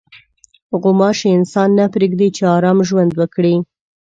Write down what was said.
غوماشې انسان نه پرېږدي چې ارام ژوند وکړي.